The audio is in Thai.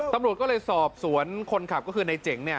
ตำรวจก็เลยสอบสวนคนขับก็คือในเจ๋ง